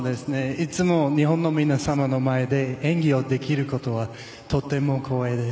いつも日本の皆様の前で演技をできることはとても光栄です。